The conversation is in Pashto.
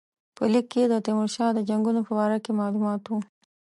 په لیک کې د تیمورشاه د جنګونو په باره کې معلومات وو.